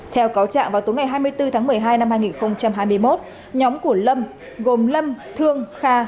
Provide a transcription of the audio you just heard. theo cáo trạng vào tối ngày hai mươi bốn tháng một mươi hai năm hai nghìn hai mươi một nhóm của lâm gồm lâm thương kha